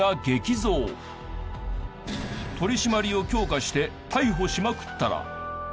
取り締まりを強化して逮捕しまくったら。